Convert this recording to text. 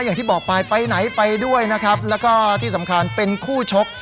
อย่างที่บอกไปไปไหนไปด้วยนะครับแล้วก็ที่สำคัญเป็นคู่ชก